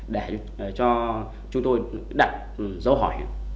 để cho chúng tôi đặt dấu hỏi